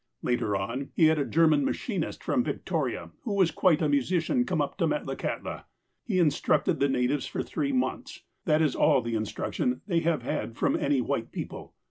Later on, he had a German machinist, from Victoria, who was quite a musician, come up to Metlakahtla. He instructed the natives for three months. That is all the instruction they have had from any white people.